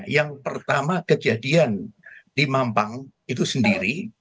yang pertama kejadian di mampang itu sendiri